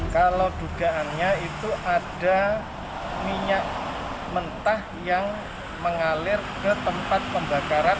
kalau dugaannya itu ada minyak mentah yang mengalir ke tempat pembakaran